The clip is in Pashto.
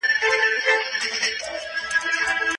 هغه محصلین چې دلته درس وايي عملي کار زده کوي.